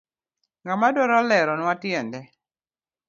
Ngama dwaro leronwa tiende.